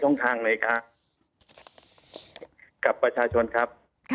ช่องทางเลยครับกับประชาชนครับ